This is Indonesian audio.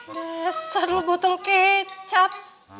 besar lo botol kecap